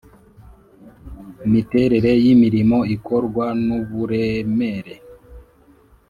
Miterere y imirimo ikorwa n uburemere